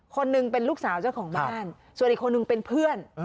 คนหนึ่งเป็นลูกสาวเจ้าของบ้านส่วนอีกคนนึงเป็นเพื่อน